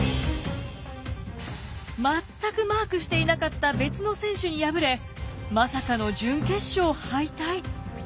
全くマークしていなかった別の選手に敗れまさかの準決勝敗退。